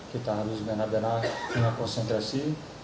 kita harus benar benar punya konsentrasi